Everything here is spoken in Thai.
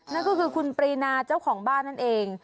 นั่นก็คือคุณปรีนาเจ้าของบ้านนั่นเอง